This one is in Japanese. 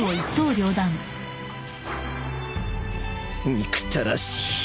憎たらしい